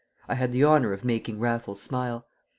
I had the honour of making Raffles smile.